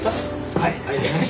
はい。